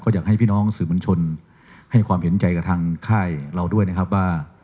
อยากให้พี่น้องสื่อมวลชนให้ความเห็นใจกับทางค่ายเราด้วยนะครับว่า